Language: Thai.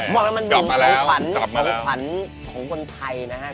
มันเป็นของขวัญของคนไทยนะครับ